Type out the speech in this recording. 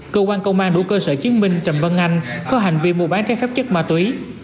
cơ quan công an đủ cơ sở chứng minh trầm văn anh có hành vi mua bán trái phép chất ma túy